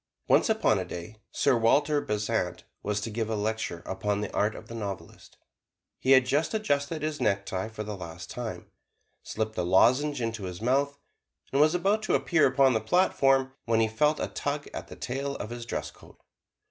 Once upon a day, Sir Walter Besant was to give a lecture upon "The Art of the Novelist." He had just adjusted his necktie for the last time, slipped a lozenge into his mouth, and was about to appear upon the platform, when he felt a tug at the tail of his dress coat.